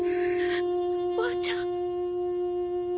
おばあちゃん？